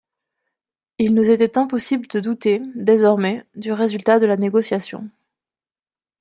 Il nous était impossible de douter, désormais, du résultat de la négociation.